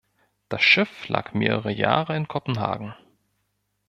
Das Schiff lag mehrere Jahre in Kopenhagen.